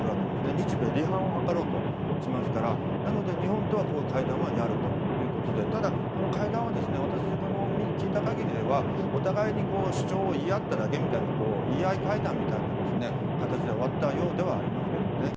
日米の離反を図ろうとしますからなので、日本とは会談するということでただ、この会談は私が聞いた限りではお互いに主張を言い合っただけみたいな言い合い会談みたいな形で終わったようではありますけどね。